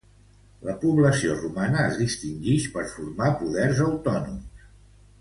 La població romana es distingix per formar poders autònoms.